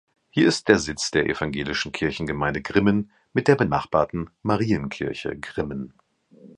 Hier ist der Sitz der Evangelischen Kirchengemeinde Grimmen mit der benachbarten Marienkirche Grimmen.